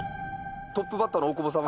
トップバッターの大久保さん